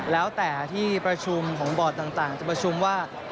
แล้วแต่ที่ประชุมของบอร์ดต่างจะประชุมว่า